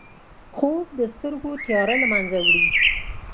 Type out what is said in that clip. خوب د سترګو تیاره له منځه وړي